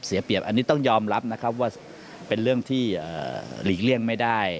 เสียเปรียบอันนี้ต้องยอมรับนะครับว่าเป็นเรื่องที่หลีกเลี่ยงไม่ได้